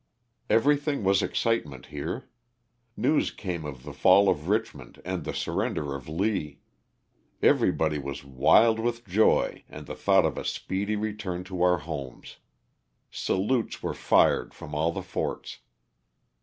Everything was excitement here. News came of the fall of Richmond and the surrender of Lee. Every body was wild with joy and the thought of a speedy return to our homes. Salutes were fired from all the forts.